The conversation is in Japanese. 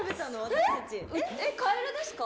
私たちえっカエルですか？